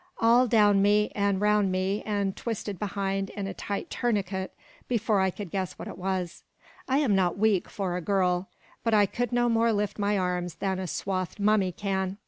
All down me, and round me, and twisted behind in a tight tourniquet, before I could guess what it was. I am not weak, for a girl; but I could no more lift my arms than a swathed mummy can.